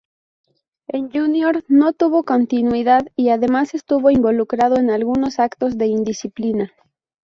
En Junior no tuvo continuidad, y además estuvo involucrado en algunos actos de indisciplina.